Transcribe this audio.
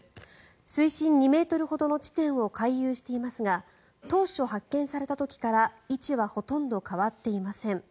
水深２ｍほどの地点を回遊していますが当初、発見された時から位置はほとんど変わっていません。